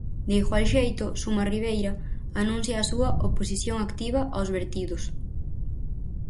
De igual xeito, Suma Ribeira anuncia a súa "oposición activa" aos vertidos.